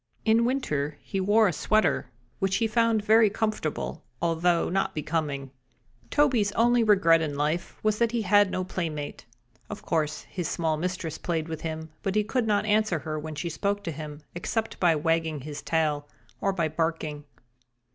In winter he wore a sweater, which he found very comfortable, although not so becoming. Toby's only regret in life was that he had no playmate. Of course his small mistress played with him, but he could not answer her when she spoke to him, except by wagging his tail or by barking.